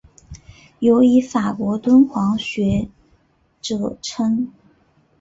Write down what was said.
尤以法国敦煌学着称。